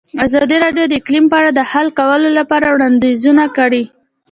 ازادي راډیو د اقلیم په اړه د حل کولو لپاره وړاندیزونه کړي.